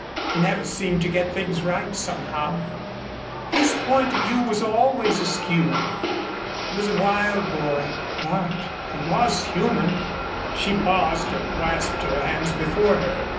He never seemed to get things right, somehow; his point of view was always askew. He was a wild boy but he was human." She paused and clasped her hands before her.